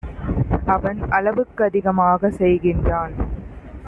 அவன் அளவுக்கதிகமாக செய்கின்றான்.